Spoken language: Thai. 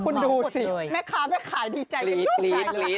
คุณดูสิแม่ค้าแม่ขายดีใจเลย